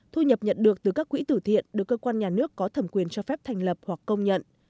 thu nhập nhận được từ các quỹ tử thiện được cơ quan nhà nước có thẩm quyền cho phép thành lập hoặc công nhận